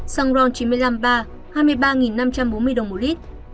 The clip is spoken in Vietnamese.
xăng ron chín mươi năm ba hai mươi ba năm trăm bốn mươi đồng một lít